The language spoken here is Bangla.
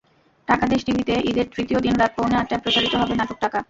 টাকাদেশ টিভিতে ঈদের তৃতীয় দিন রাত পৌনে আটটায় প্রচারিত হবে নাটক টাকা।